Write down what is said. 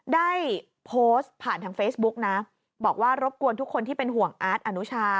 ได้โพสต์ผ่านทางเฟซบุ๊กนะบอกว่ารบกวนทุกคนที่เป็นห่วงอาร์ตอนุชา